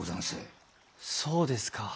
そうですか。